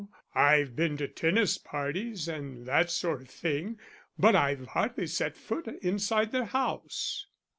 I've been to tennis parties and that sort of thing, but I've hardly set foot inside their house."